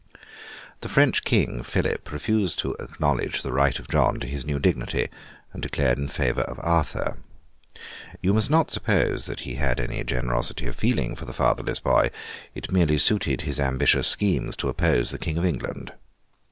The French King, Philip, refused to acknowledge the right of John to his new dignity, and declared in favour of Arthur. You must not suppose that he had any generosity of feeling for the fatherless boy; it merely suited his ambitious schemes to oppose the King of England.